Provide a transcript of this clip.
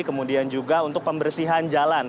kemudian juga untuk pembersihan jalan